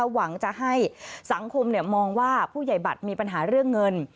หวังจะให้สังคมมองว่าผู้ใหญ่บัตรมีปัญหาเรื่องเงิน